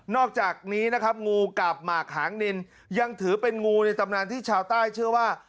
อกจากนี้นะครับงูกับหมากหางนินยังถือเป็นงูในตำนานที่ชาวใต้เชื่อว่า